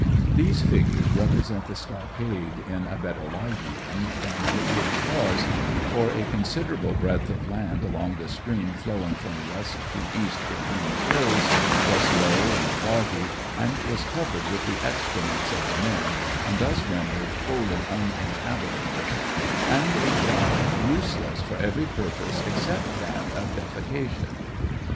These figures represent the stockade in a better light even than it really was ; for a considerable breadth of land along the stream flowing from w^est to east between the hills was low and boggy, and was covered with the excrements of the men and thus rendered wholly uninhabitable, and in fact useless for every purpose except that of defaction.